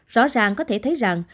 rõ ràng có thể thấy rằng